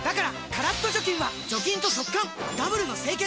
カラッと除菌は除菌と速乾ダブルの清潔！